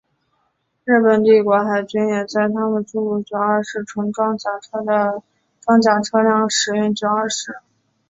日本帝国海军也在他们诸如九二式重装甲车的装甲车辆上使用九七式。